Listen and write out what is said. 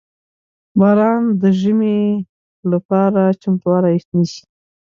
• باران د ژمي لپاره چمتووالی نیسي.